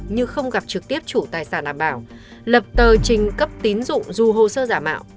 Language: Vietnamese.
như không gặp trực tiếp chủ tài sản đảm bảo lập tờ trình cấp tín dụng dù hồ sơ giả mạo